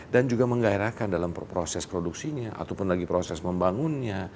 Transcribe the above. dan juga menggairakan dalam proses produksinya ataupun lagi proses membangunnya